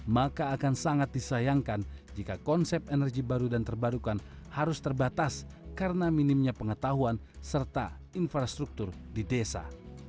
maka akan sangat disayangkan jika konsep energi baru dan terbarukan harus terbatas karena minimnya pengetahuan serta infrastruktur di desa